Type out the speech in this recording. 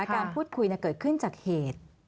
การพูดคุยเกิดขึ้นจากเหตุ